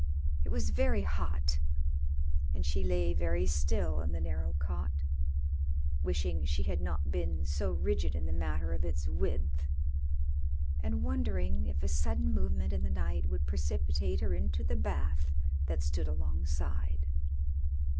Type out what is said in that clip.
It was very hot, and she lay very still in the narrow cot, wishing she had not been so rigid in the matter of its width, and wondering if a sudden movement in the night would precipitate her into the bath that stood alongside.